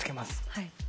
はい。